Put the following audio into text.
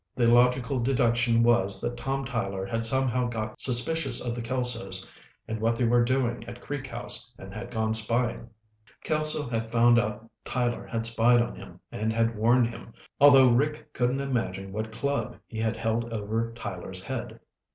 The logical deduction was that Tom Tyler had somehow gotten suspicious of the Kelsos and what they were doing at Creek House and had gone spying. Kelso had found out Tyler had spied on him and had warned him, although Rick couldn't imagine what club he had held over Tyler's head.